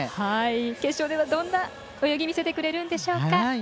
決勝ではどんな泳ぎを見せてくれるんでしょうか。